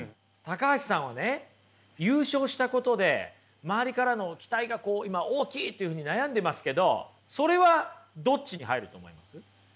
橋さんはね優勝したことで周りからの期待がこう今大きいというふうに悩んでますけどそれはどっちに入ると思います？